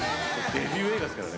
デビュー映画ですからね。